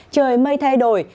trời mây thay đổi